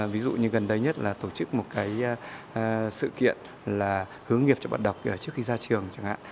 ví dụ như gần đây nhất là tổ chức một cái sự kiện là hướng nghiệp cho bạn đọc trước khi ra trường chẳng hạn